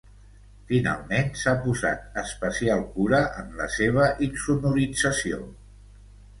Finalment, s'ha posat especial cura en la seva insonorització.